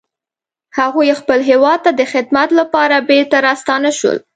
هغوی خپل هیواد ته د خدمت لپاره بیرته راستانه شول